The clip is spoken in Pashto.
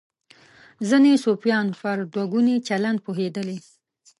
ځینې صوفیان پر دوه ګوني چلند پوهېدلي.